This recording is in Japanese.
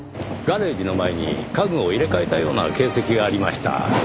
ガレージの前に家具を入れ替えたような形跡がありました。